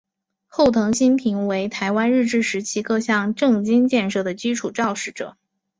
后藤新平为台湾日治时期各项政经建设的基础肇始者。